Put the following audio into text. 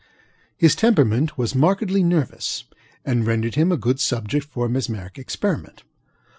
His temperament was markedly nervous, and rendered him a good subject for mesmeric experiment.